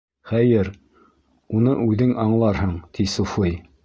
Хәйер, уны үҙең аңларһың, — ти суфый.